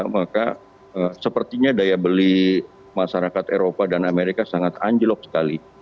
maka sepertinya daya beli masyarakat eropa dan amerika sangat anjlok sekali